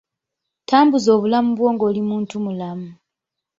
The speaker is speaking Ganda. Tambuza obulamu bwo ng'oli muntu mulamu.